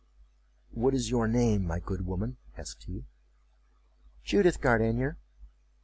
"What is your name, my good woman?" asked he."Judith Gardenier."